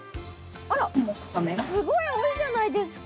あらすごい多いじゃないですか。